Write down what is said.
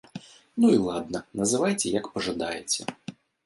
Ну і ладна, называйце як пажадаеце.